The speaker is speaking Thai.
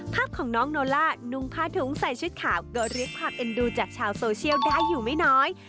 ภาพของน้องโนล่านุ่งผ้าถุงใส่ชุดขาวก็เรียกความเอ็นดูจากชาวโซเชียลได้อยู่ไม่น้อย